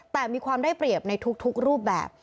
แต่มีความได้เปรียบในทุกรูปแบบ